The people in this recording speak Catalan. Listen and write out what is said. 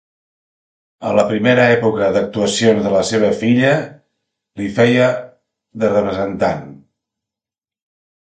A la primera època d'actuacions de la seva filla li feia de representant.